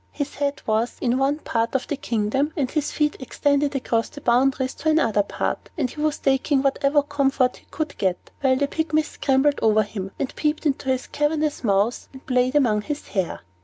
His head was in one part of the kingdom, and his feet extended across the boundaries of another part; and he was taking whatever comfort he could get, while the Pygmies scrambled over him, and peeped into his cavernous mouth, and played among his hair.